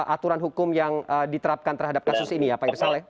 aturan hukum yang diterapkan terhadap kasus ini ya pak irsaleh